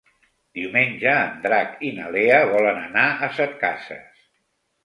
Diumenge en Drac i na Lea volen anar a Setcases.